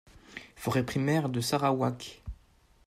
Forêts primaires du Sarawak.